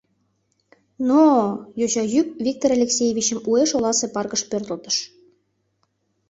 — Но-о! — йоча йӱк Виктор Алексеевичым уэш оласе паркыш пӧртылтыш.